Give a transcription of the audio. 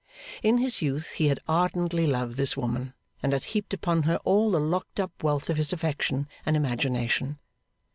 In his youth he had ardently loved this woman, and had heaped upon her all the locked up wealth of his affection and imagination.